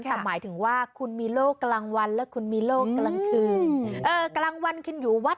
แต่หมายถึงว่าคุณมีโรคกลางวันและคุณมีโรคกลางคืนเออกลางวันคุณอยู่วัด